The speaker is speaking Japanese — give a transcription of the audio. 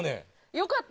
良かった。